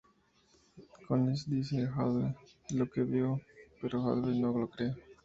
Collins dice a Wade lo que vio pero Wade no le cree.